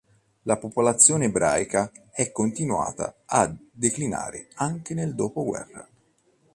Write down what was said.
La popolazione ebraica è continuata a declinare anche nel dopoguerra.